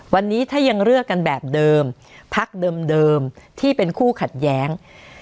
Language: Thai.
วันนี้ถ้ายังเลือกกันแบบเดิมพักเดิมที่เป็นคู่ขัดแย้ง